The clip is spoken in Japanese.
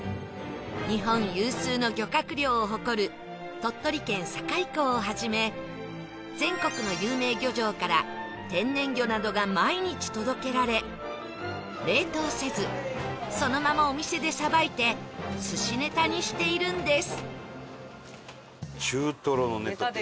日本有数の漁獲量を誇る鳥取県境港をはじめ全国の有名漁場から天然魚などが毎日届けられ冷凍せずそのままお店でさばいて寿司ネタにしているんです